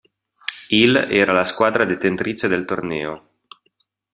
Il era la squadra detentrice del torneo.